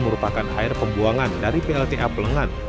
merupakan air pembuangan dari plta plengan